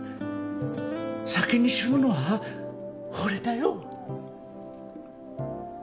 先に死ぬのは俺だよ。